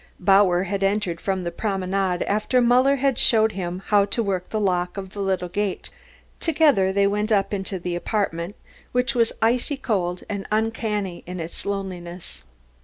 Bauer had entered from the Promenade after Muller had shown him how to work the lock of the little gate. Together they went up into the apartment, which was icy cold and uncanny in its loneliness.